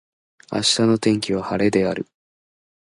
明日の天気は晴れである。